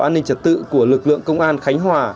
an ninh trật tự của lực lượng công an khánh hòa